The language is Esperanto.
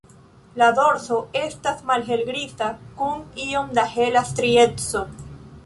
La dorso estas malhelgriza kun iom da hela strieco.